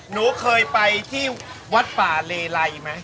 หนูเคยไปที่วัดป่าเลไลไหม